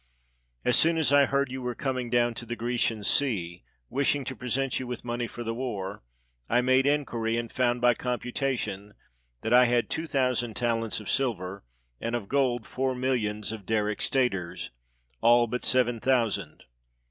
As soon as I heard you were coming down to the Grecian sea, wishing to present you with money for the war I made inquiry, and found by computation that I had two thousand talents of silver, and of gold four millions of Daric staters, all but seven thousand.